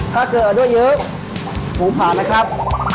ถ้าเกิดเอาได้มาเยอะผมผ่านนะครับ